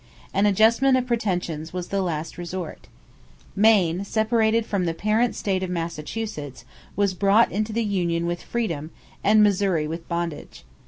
An adjustment of pretensions was the last resort. Maine, separated from the parent state of Massachusetts, was brought into the union with freedom and Missouri with bondage.